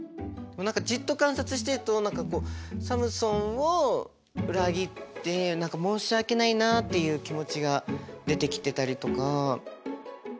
何かじっと観察してると何かこうサムソンを裏切って何か申し訳ないなっていう気持ちが出てきてたりとか。